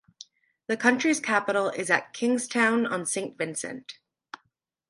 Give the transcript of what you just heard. The country's capital is at Kingstown on Saint Vincent.